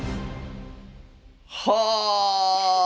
はあ！